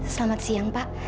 selamat siang pak